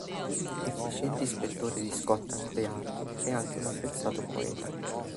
Efficiente ispettore di Scotland Yard è anche un apprezzato poeta.